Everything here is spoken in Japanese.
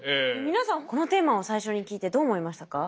皆さんこのテーマを最初に聞いてどう思いましたか？